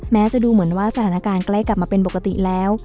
แม้จะดูเหมือนว่าสถานการณ์ใกล้กลับมาเป็นปกติแล้ว